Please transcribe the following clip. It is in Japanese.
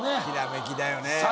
ひらめきだよね